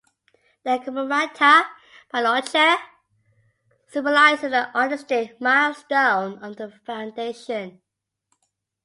The Camerata Bariloche symbolizes the artistic milestone of the Foundation.